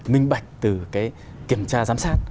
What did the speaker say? minh bạch từ cái kiểm tra giám sát